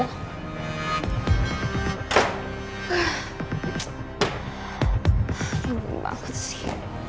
nyebelin banget sih